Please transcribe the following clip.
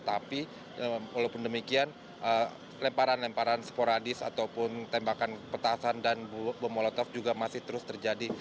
tapi walaupun demikian lemparan lemparan sporadis ataupun tembakan petasan dan bom molotov juga masih terus terjadi